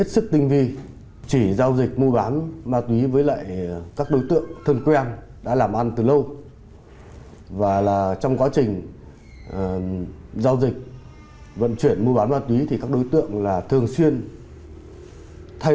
quá trình di chuyển hắn sử dụng nhiều phương tiện giao thông khác nhau để qua mắt lực lượng chức năng